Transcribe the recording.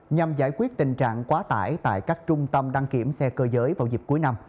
nhằm giải quyết tình trạng quá tải tại các trung tâm đăng kiểm xe cơ giới vào dịp cuối năm